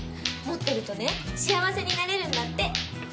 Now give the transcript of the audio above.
持ってるとね幸せになれるんだって。